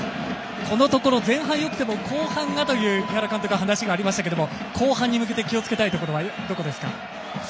このところ前半よくても後半がという井原監督からの話がありましたが後半に向けて気をつけたいところはどこですか？